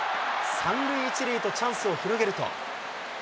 三塁一塁とチャンスを広げると。